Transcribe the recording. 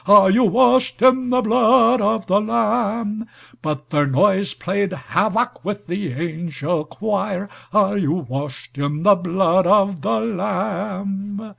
(Are you washed in the blood of the Lamb?)But their noise played havoc with the angel choir(Are you washed in the blood of the Lamb?)